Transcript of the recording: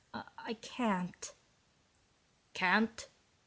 I can't." "Can't?